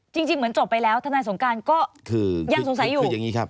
จริงเหมือนจบไปแล้วท่านนายสงการก็ยังสงสัยอยู่